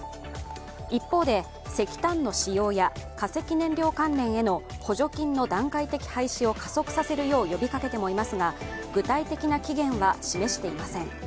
一方で、石炭の使用や化石燃料関連への補助金の段階的廃止を加速させるよう呼びかけてもいますが具体的な期限は示していません。